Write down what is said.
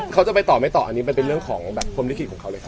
เขาจะไปต่อไม่ต่ออันนี้มันเป็นเรื่องของแบบพรมลิขิตของเขาเลยครับ